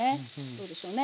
どうでしょうね。